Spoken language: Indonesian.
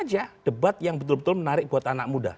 karena sebenarnya debat yang betul betul menarik buat anak muda